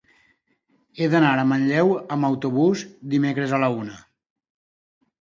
He d'anar a Manlleu amb autobús dimecres a la una.